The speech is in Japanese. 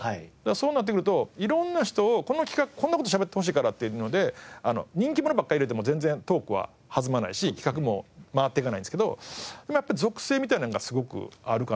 そうなってくるといろんな人をこの企画こんな事喋ってほしいからっていうので人気者ばっかり入れても全然トークは弾まないし企画も回っていかないんですけどやっぱり属性みたいなのがすごくあるかな。